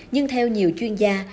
nhưng theo nhiều chuyên gia